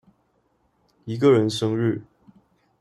一個人生日